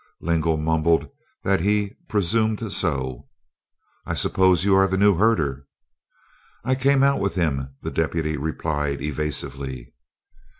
Lingle mumbled that he "presumed so." "I suppose you are the new herder?" "I came out with him," the deputy replied evasively.